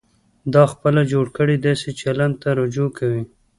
دا خپله جوړ کړي داسې چلند ته رجوع کوي.